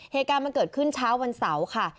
เหตุการณ์มันเกิดขึ้นเช้าวันเสาร์ค่ะ